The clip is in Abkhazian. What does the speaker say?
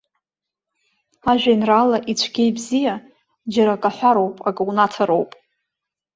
Ажәеинраала ицәгьа, ибзиа, џьара акы аҳәароуп, акы унаҭароуп.